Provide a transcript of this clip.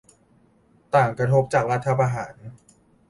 ต่างกระทบจากรัฐประหาร